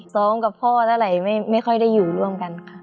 กับพ่อเท่าไหร่ไม่ค่อยได้อยู่ร่วมกันค่ะ